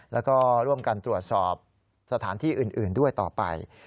แล้วก็ร่วมกันตรวจสอบสถานที่อื่นด้วยต่อไป